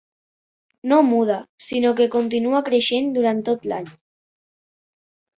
No muda, sinó que continua creixent durant tot l'any.